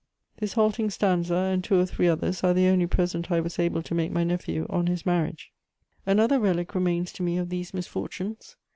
This halting stanza and two or three others are the only present I was able to make my nephew on his marriage. [Sidenote: Execution of my brother.] Another relic remains to me of these misfortunes.